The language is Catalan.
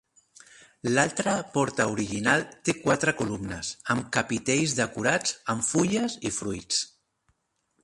L'altra porta original té quatre columnes, amb capitells decorats amb fulles i fruits.